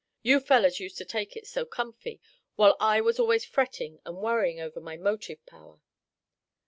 You fellows used to take it so comfy, while I was always fretting, and worrying over my motive power."